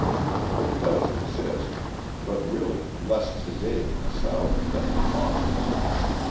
It does exist, but really less to day in the South than in Boston!